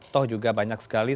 toh juga banyak sekali